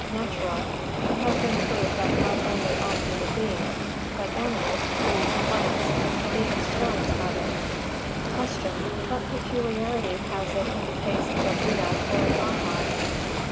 Natural. It has been proved that not only all human beings but animals, trees, plants and even stones have it. 347. Q. _What peculiarity has it in the case of a Buddha or an Arhat?